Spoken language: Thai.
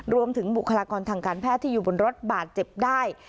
บุคลากรทางการแพทย์ที่อยู่บนรถบาดเจ็บได้